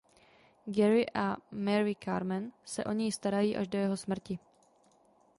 Gary a Mary Carmen se o něj starají až do jeho smrti.